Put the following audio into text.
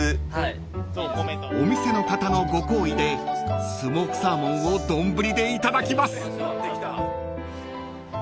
［お店の方のご厚意でスモークサーモンを丼でいただきます］